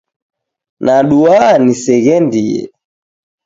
Nadua niseghendie.